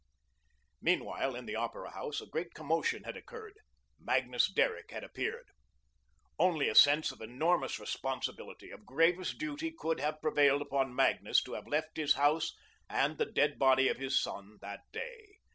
Meanwhile, in the Opera House, a great commotion had occurred. Magnus Derrick had appeared. Only a sense of enormous responsibility, of gravest duty could have prevailed upon Magnus to have left his house and the dead body of his son that day.